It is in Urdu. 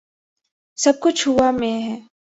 سب کچھ ہوا میں ہے۔